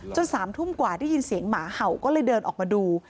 ๓ทุ่มกว่าได้ยินเสียงหมาเห่าก็เลยเดินออกมาดู